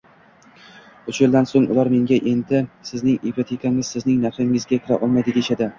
uch yildan so‘ng ular menga: endi sizning ipotekangiz sizning narxingizga kira olmaydi, deyishdi.